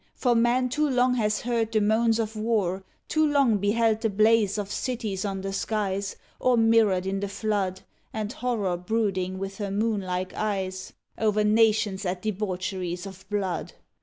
for man too long has heard The moans of war, too long beheld the blaze Of cities on the skies Or mirrored in the flood, And Horror brooding with her moonlike eyes 90 TEE PANAMA PACIFIC EXPOSITION O er nations at debaucheries of blood.